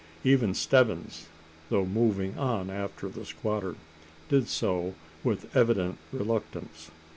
Even Stebbins, though moving on after the squatter, did so with evident reluctance.